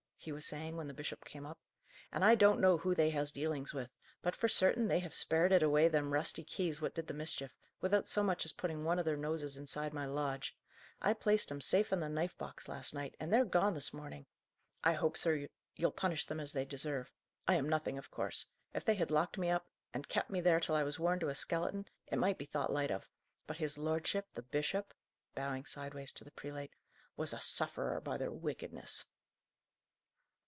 he was saying when the bishop came up. "And I don't know who they has dealings with; but, for certain, they have sperited away them rusty keys what did the mischief, without so much as putting one o' their noses inside my lodge. I placed 'em safe in the knife box last night, and they're gone this morning. I hope, sir, you'll punish them as they deserve. I am nothing, of course. If they had locked me up, and kept me there till I was worn to a skeleton, it might be thought light of; but his lordship, the bishop" bowing sideways to the prelate "was a sufferer by their wickedness."